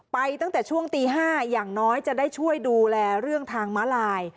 ไปตั้งแต่ช่วงตี๕อย่างน้อยจะได้ช่วยดูแลเรื่องทางม้าลาย